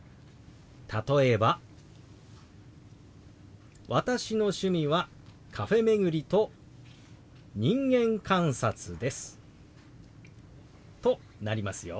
例えば「私の趣味はカフェ巡りと人間観察です」となりますよ。